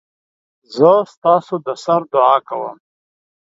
زه ستاسودسر دعاکوم